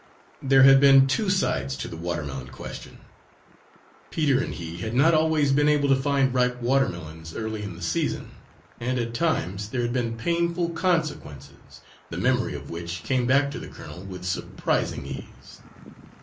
There had been two sides to the watermelon question. Peter and he had not always been able to find ripe watermelons, early in the season, and at times there had been painful consequences, the memory of which came back to the colonel with surprising ease.